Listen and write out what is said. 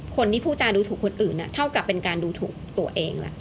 คนที่ผู้จารย์ดูถูกคนอื่นเท่ากับเป็นการดูถูกตัวเองแล้ว